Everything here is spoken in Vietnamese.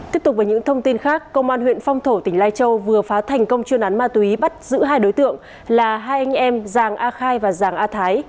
tiếp tục với những thông tin khác công an huyện phong thổ tỉnh lai châu vừa phá thành công chuyên án ma túy bắt giữ hai đối tượng là hai anh em giàng a khai và giàng a thái